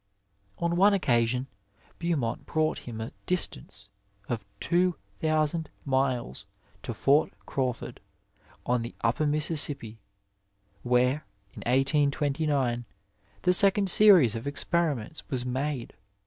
On one occasion Beaumont brought him a distance of two thousand miles to Fort Crawford, on the upper Mississippi, where, in 1829, the second series of experiments was made.